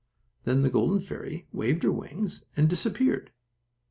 Then the golden fairy waved her wings and disappeared.